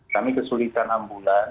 kami kesulitan ambulan